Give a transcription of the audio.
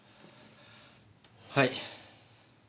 はい。